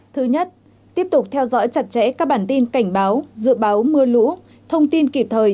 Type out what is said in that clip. thứ nhất tiếp tục theo dõi chặt chẽ các bản tin cảnh báo dự báo mưa lũ thông tin kịp thời